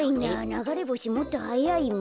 ながれぼしもっとはやいもん。